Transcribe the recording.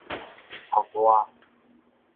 復活